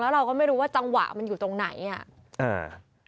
แล้วเราก็ไม่รู้ว่าจังหวะมันอยู่ตรงไหน